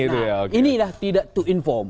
nah ini lah tidak to inform